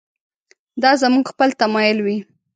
دا زموږ خپل تمایل وي.